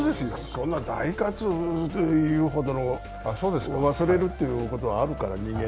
そんな大喝と言うほどの忘れるというのはあるから、人間。